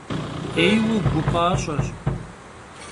'êyue gu p'aş'eş.